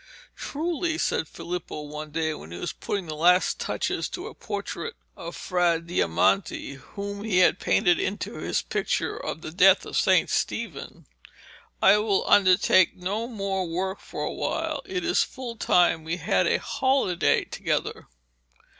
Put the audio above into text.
'Truly,' said Filippo one day when he was putting the last touches to a portrait of Fra Diamante, whom he had painted into his picture of the death of St. Stephen, 'I will undertake no more work for a while. It is full time we had a holiday together.'